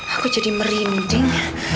aku jadi merinding